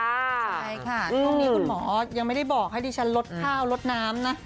ใช่ค่ะช่วงนี้คุณหมอยังไม่ได้บอกให้ดิฉันลดข้าวลดน้ำนะ